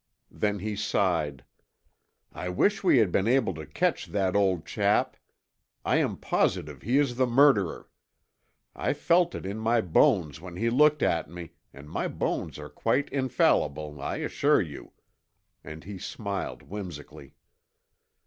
Then he sighed. "I wish we had been able to catch that old chap. I am positive he is the murderer. I felt it in my bones when he looked at me and my bones are quite infallible, I assure you," and he smiled whimsically.